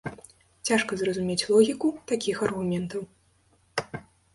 Цяжка зразумець логіку такіх аргументаў.